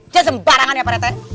jangan sembarangan ya parete